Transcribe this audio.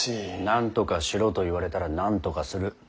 なんとかしろと言われたらなんとかする。